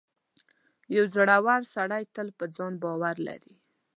• یو زړور سړی تل پر ځان باور لري.